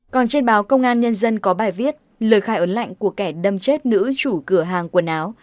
còn trên báo công an nhân dân có bài viết lời khai ấn lạnh của kẻ đâm chết nữ chủ cửa hàng quần áo